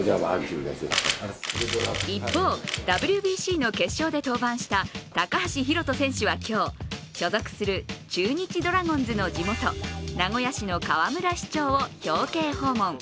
一方、ＷＢＣの決勝で登板した高橋宏斗選手は今日、所属する中日ドラゴンズの地元、名古屋市の河村市長を表敬訪問。